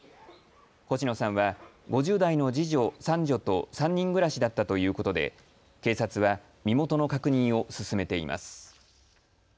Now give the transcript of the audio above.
星野さんは５０代の次女、三女と３人暮らしだったということで警察は身元の確認を進めています。